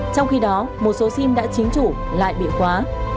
trong khi đó một số sim đã chính chủ lại bị khóa